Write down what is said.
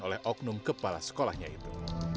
oleh oknum kepala sekolahnya itu